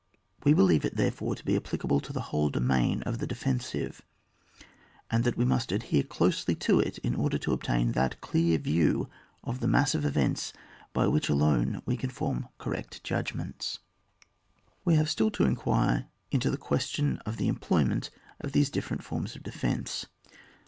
We believe it therefore to be applicable to the whole domain of the defensive, and that we must adhere closely to it in order to obtain that clear view of the mass of events by which alone we can fol*m correct judgments. We have still to inquire into the ques tion of the employment of these different forms of defence.